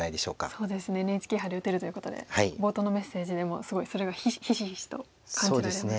そうですねＮＨＫ杯で打てるということで冒頭のメッセージでもすごいそれがひしひしと感じられましたね。